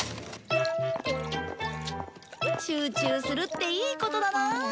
集中するっていいことだなあ。